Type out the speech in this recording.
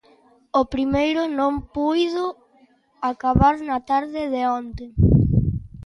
O primeiro non puído acabar na tarde de onte.